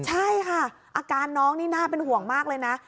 ใช่ค่ะอาการน้องนี่น่าเป็นห่วงมากเลยนะ